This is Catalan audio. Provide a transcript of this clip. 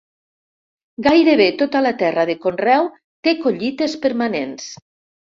Gairebé tota la terra de conreu té collites permanents.